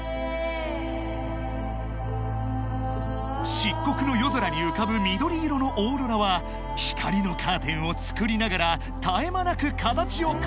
［漆黒の夜空に浮かぶ緑色のオーロラは光のカーテンをつくりながら絶え間なく形を変えていく］